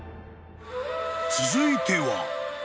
［続いては］